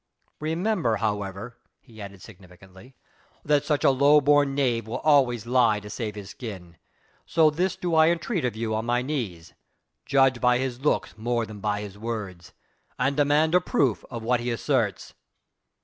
Remember however," he added significantly, "that such a low born knave will always lie to save his skin, so this do I entreat of you on my knees: judge by his looks more than by his words, and demand a proof of what he asserts."